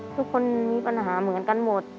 ทุกคนมีปัญหาเหมือนกันหมด